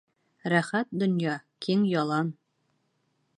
Рәхәт донъя, киң ялан.